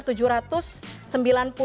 jadi ini adalah angka yang lebih sedikit